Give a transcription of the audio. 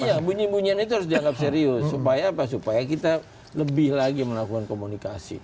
iya bunyi bunyian itu harus dianggap serius supaya apa supaya kita lebih lagi melakukan komunikasi